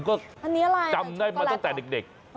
ก็จำได้ได้มาต้นแต่เด็ก